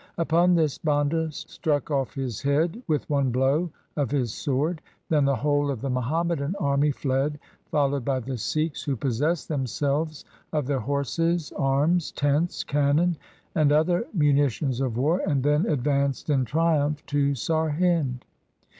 Upon this Banda struck off his head with one blow of his sword. Then the whole of the Muhammadan army fled followed by the Sikhs, who possessed themselves of their horses, arms, tents, cannon, and other munitions of war, and then advanced in triumph to Sarhind.